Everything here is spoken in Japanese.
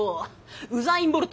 ウザインボルト！